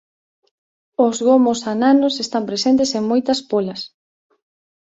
Os gomos ananos están presentes en moitas pólas.